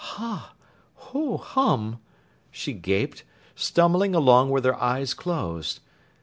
"Hah, hoh, hum!" she gaped, stumbling along with her eyes closed.